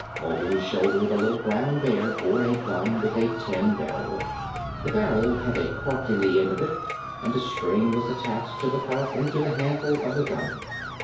Over his shoulder the little brown bear bore a gun with a tin barrel. The barrel had a cork in the end of it, and a string was attached to the cork and to the handle of the gun.